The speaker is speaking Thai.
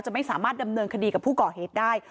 ไม่สามารถดำเนินคดีกับผู้ก่อเหตุได้